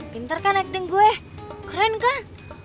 pinter kan acting gue keren kan